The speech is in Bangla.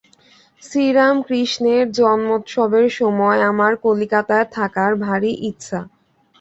শ্রীরামকৃষ্ণের জন্মোৎসবের সময় আমার কলিকাতায় থাকার ভারি ইচ্ছা।